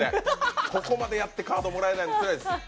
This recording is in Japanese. ここまでやってカードもらえないのはつらいです。